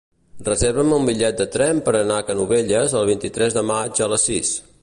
Reserva'm un bitllet de tren per anar a Canovelles el vint-i-tres de maig a les sis.